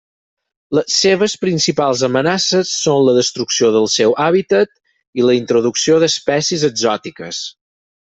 Les seues principals amenaces són la destrucció del seu hàbitat i la introducció d'espècies exòtiques.